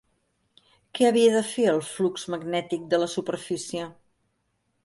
Què havia de fer el flux magnètic de la superfície?